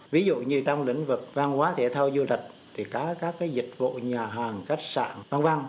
ví dụ như trong lĩnh vực văn hóa thể thao du lịch thì có các cái dịch vụ nhà hàng khách sạn văn văn